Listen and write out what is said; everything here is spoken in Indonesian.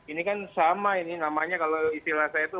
ini kan sama ini namanya kalau istilah saya itu